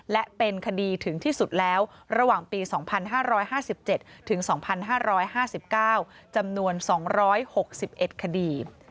และเป็นคดีถึงที่สุดแล้วระหว่างปี๒๕๕๗ถึง๒๕๕๙จำนวน๒๖๑คดี